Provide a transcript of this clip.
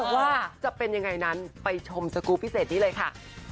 ว่าจะเป็นยังไงนั้นไปชมสกูลพิเศษนี้เลยค่ะ